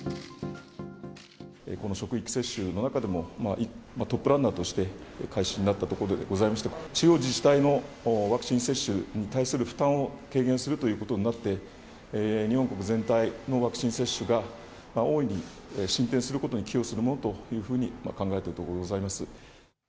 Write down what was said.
この職域接種の中でも、トップランナーとして開始になったところでございまして、地方自治体のワクチン接種に対する負担を軽減するということになって、日本国全体のワクチン接種が大いに進展することに寄与するものというふうに考えているところでございます。